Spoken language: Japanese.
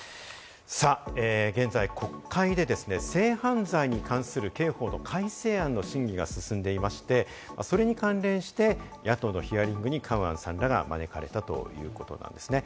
現在、国会でですね、性犯罪に関する刑法の改正案の審議が進んでいまして、それに関連し、野党のヒアリングにカウアンさんらが招かれたということなんですね。